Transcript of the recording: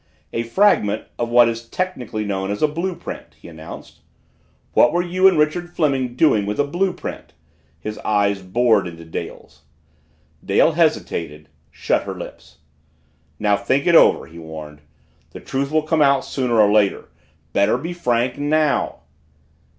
"A fragment of what is technically known as a blue print," he announced. "What were you and Richard Fleming doing with a blue print?" His eyes bored into Dale's. Dale hesitated shut her lips. "Now think it over!" he warned. "The truth will come out, sooner or later! Better be frank NOW!"